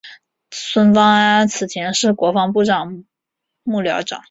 孙芳安此前是国防部长幕僚长。